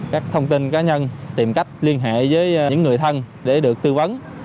các thông tin cá nhân tìm cách liên hệ với những người thân để được tư vấn